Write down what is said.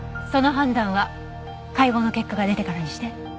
その判断は解剖の結果が出てからにして。